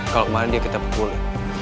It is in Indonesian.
kalau kemarin dia kita pepuli